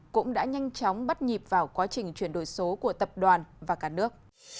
cũng đã nhanh chóng bắt nhịp vào quá trình chuyển đổi số của tập đoàn và cả nước